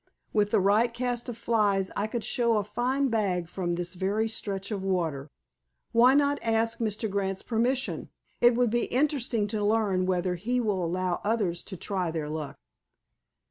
With the right cast of flies I could show a fine bag from this very stretch of water." "Why not ask Mr. Grant's permission? It would be interesting to learn whether he will allow others to try their luck."